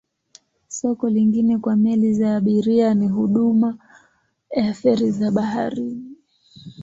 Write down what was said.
Soko lingine kwa meli za abiria ni huduma ya feri za baharini.